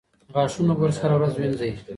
د غاښونو برس هره ورځ وینځئ.